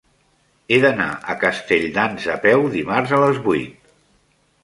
He d'anar a Castelldans a peu dimarts a les vuit.